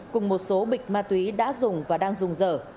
cùng một số bịch ma túy đã dùng và đang dùng dở